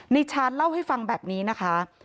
ชาญเล่าให้ฟังแบบนี้นะคะ